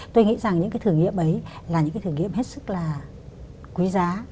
tôi nghĩ rằng những cái thử nghiệm ấy là những cái thử nghiệm hết sức là quý giá